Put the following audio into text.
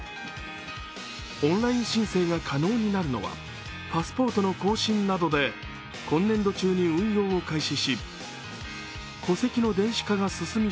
オンライン申請が可能になるのはパスポートの更新などで今年度中に運用を開始し、戸籍の電子化が進み